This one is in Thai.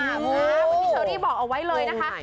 วิทยาลัยที่บอกเอาไว้เลยนะคะ